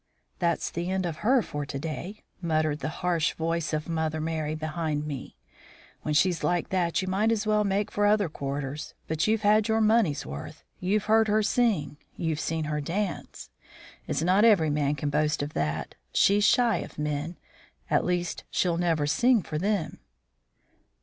"That's the end of her for to day," muttered the harsh voice of Mother Merry behind me. "When she's like that you might as well make for other quarters. But you've had your money's worth. You've heard her sing; you've seen her dance. It's not every man can boast of that. She's shy of men; at least she'll never sing for them."